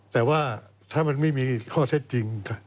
แต่ว่าถ้ามันไม่มีข้อเท็จจริง